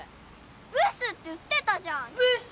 ブスって言ってたじゃんブス！